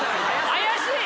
怪しい！